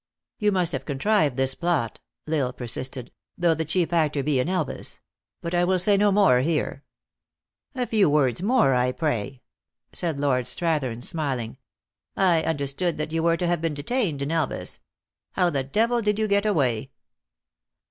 " You must have contrived this plot," L Isle per sisted, "though the chief actor be in Elvas. But I will say no more here." "A few words more, I pray," said Lord Strathern, smiling. " I understood that you were to have been detained in Elvas. How the devil did you get away